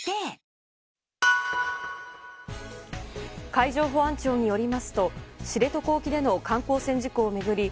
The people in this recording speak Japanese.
海上保安庁によりますと知床沖での観光船事故を巡り